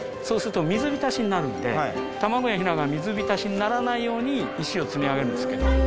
そうすると水浸しになるんで卵やひなが水浸しにならないように石を積み上げるんですけど。